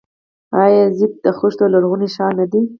آیا یزد د خښتو لرغونی ښار نه دی؟